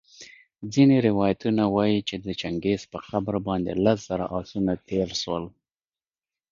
ځیني روایتونه وايي چي د چنګیز په قبر باندي لس زره آسونه تېرسول